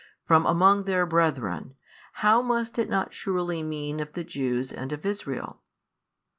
From among their brethren, how must it not surely mean of the Jews and of Israel?